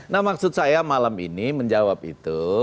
nah maksud saya malam ini menjawab itu